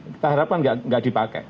kita harapkan enggak dipakai